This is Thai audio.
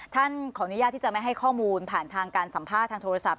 ขออนุญาตที่จะไม่ให้ข้อมูลผ่านทางการสัมภาษณ์ทางโทรศัพ